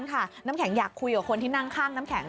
ความดันไขมัน